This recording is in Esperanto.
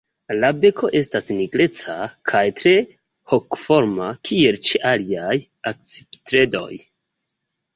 La beko estas nigreca kaj tre hokoforma kiel ĉe aliaj akcipitredoj.